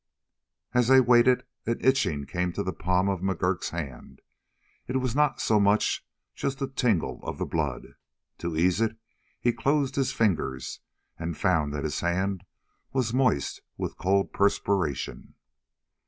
And as they waited an itching came at the palm of McGurk's hand. It was not much, just a tingle of the blood. To ease it, he closed his fingers and found that his hand was moist with cold perspiration.